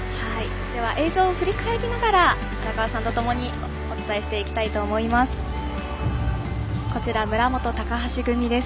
では映像を振り返りながら荒川さんとともにお伝えしていきたいと思います。